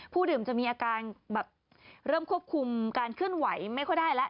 ดื่มจะมีอาการแบบเริ่มควบคุมการเคลื่อนไหวไม่ค่อยได้แล้ว